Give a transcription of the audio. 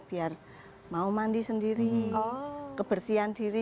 biar mau mandi sendiri kebersihan diri